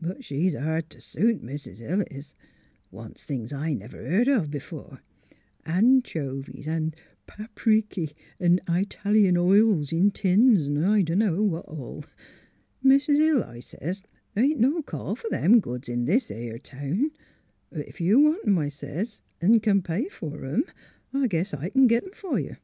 But she's hard t' suit, Mis' Hill is — wants things I never heard of b'fore; an chovies 'n' pap riky 'n' I talian oil in tins, 'n' I dunno what all. ' Mis' Hill,' I sez, ' the' ain't no call for them goods in this 'ere town ; but if you want 'em,' I sez, ' 'n' c'n pay for 'em, 1 guess I e'n git 'em for you.